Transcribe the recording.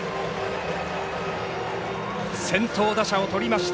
先頭打者をとりました。